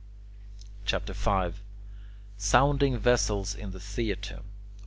CHAPTER V SOUNDING VESSELS IN THE THEATRE 1.